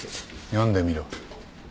読んでみろ。